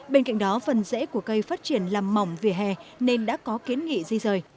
bên cạnh đó phần rễ của cây phát triển làm mỏng về hè nên đã có kiến nghị di rời